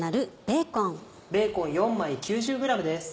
ベーコン４枚９０ｇです。